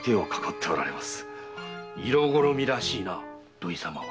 色好みらしいな土井様は。